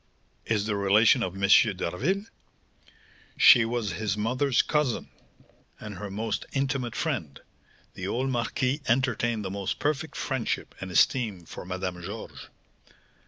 "Is the relation of M. d'Harville?" "She was his mother's cousin, and her most intimate friend; the old marquis entertained the most perfect friendship and esteem for Madame Georges."